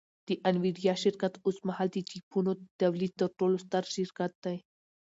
د انویډیا شرکت اوسمهال د چیپونو د تولید تر ټولو ستر شرکت دی